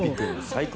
最高。